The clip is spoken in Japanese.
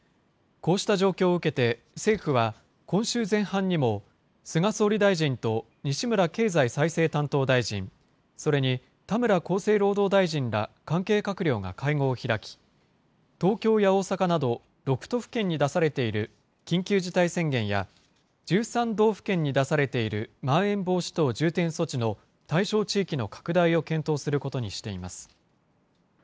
こうした状況を受けて、政府は今週前半にも、菅総理大臣と西村経済再生担当大臣、それに田村厚生労働大臣ら関係閣僚が会合を開き、東京や大阪など６都府県に出されている緊急事態宣言や、１３道府県に出されているまん延防止等重点措置の対象地域の拡大を検討することにしています。